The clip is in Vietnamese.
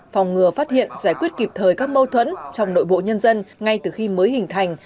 phòng ngừa phát hiện giải quyết kịp thời các mâu thuẫn trong nội bộ nhân dân ngay từ khi mới hình thành